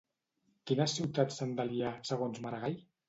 Quines ciutats s'han d'aliar, segons Maragall?